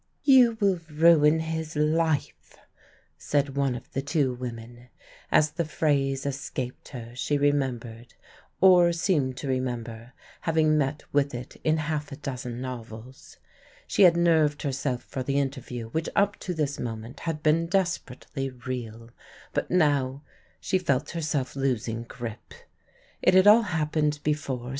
I. "You will ruin his life," said one of the two women. As the phrase escaped her she remembered, or seemed to remember, having met with it in half a dozen novels. She had nerved herself for the interview which up to this moment had been desperately real; but now she felt herself losing grip. It had all happened before